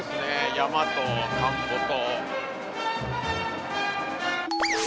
山と田んぼと。